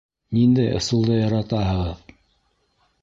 Ниндәй ысулды яратаһығыҙ?